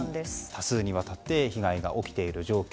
多数にわたって被害が起きている状況。